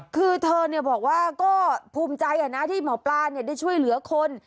คือเธอบอกว่าก็ภูมิใจนะที่หมอปลาได้ช่วยเหลือคน